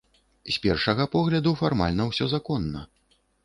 З першага погляду, фармальна ўсё законна.